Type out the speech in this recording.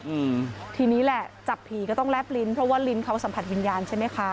อืมทีนี้แหละจับผีก็ต้องแลบลิ้นเพราะว่าลิ้นเขาสัมผัสวิญญาณใช่ไหมคะ